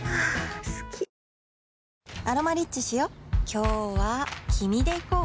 今日は君で行こう